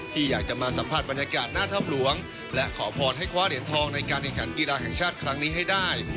ที่อยากจะมาสัมผัสบรรยากาศหน้าถ้ำหลวงและขอพรให้คว้าเหรียญทองในการแข่งขันกีฬาแห่งชาติครั้งนี้ให้ได้